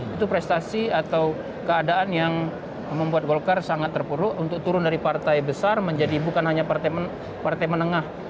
itu prestasi atau keadaan yang membuat golkar sangat terpuruk untuk turun dari partai besar menjadi bukan hanya partai menengah